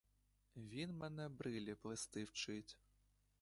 Він мене брилі плести вчить.